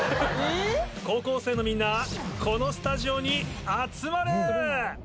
高校生のみんなこのスタジオに集まれ！